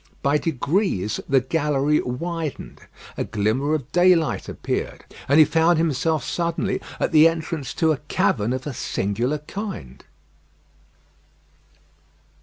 By degrees the gallery widened; a glimmer of daylight appeared, and he found himself suddenly at the entrance to a cavern of a singular kind.